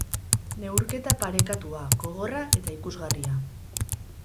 Neurketa parekatua, gogorra eta ikusgarria.